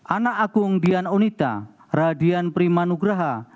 anak agung dian onita radian prima nugraha